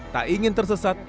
tak ingin tersesat